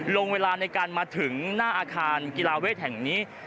เวลาในการมาถึงหน้าอาคารกีฬาเวทแห่งนี้